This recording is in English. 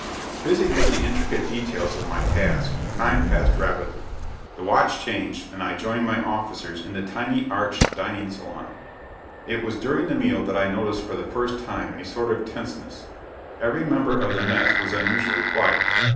Busied with the intricate details of my task, time passed rapidly. The watch changed, and I joined my officers in the tiny, arched dining salon. It was during the meal that I noticed for the first time a sort of tenseness; every member of the mess was unusually quiet.